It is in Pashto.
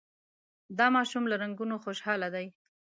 دا ماشوم له رنګونو خوشحاله دی.